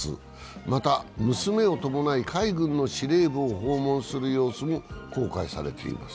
また娘を伴い、海軍の司令部を訪問する様子も公開されています。